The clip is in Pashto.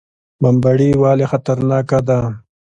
بمبړې ولې خطرناکه ده؟